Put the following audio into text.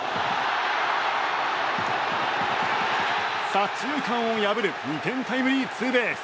左中間を破る２点タイムリーツーベース。